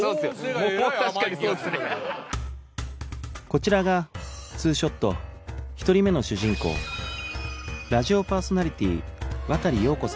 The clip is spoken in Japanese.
こちらが『２ショット』１人目の主人公ラジオパーソナリティ渡陽子さん